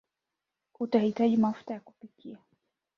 Utahitaji mafuta ya kupikia